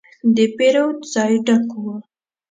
د پیرود ځای ډک و.